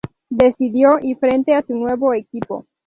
Decidido, y frente a su nuevo equipo.